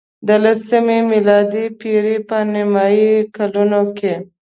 د لسمې میلادي پېړۍ په نیمايي کلونو کې.